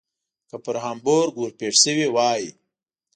که پر هامبورګ ور پیښ شوي وای.